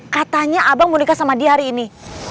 katanya abang mau nikah sama dia hari ini